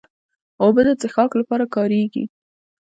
اوبه د څښاک لپاره کارېږي.